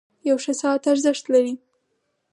• یو ښه ساعت ارزښت لري.